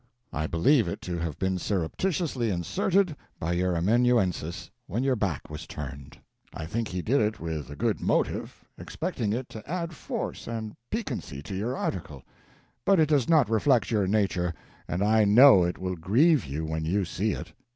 I believe it to have been surreptitiously inserted by your amanuensis when your back was turned. I think he did it with a good motive, expecting it to add force and piquancy to your article, but it does not reflect your nature, and I know it will grieve you when you see it.